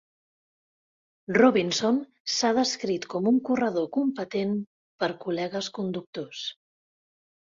Robinson s'ha descrit com un "corredor competent" per col·legues conductors.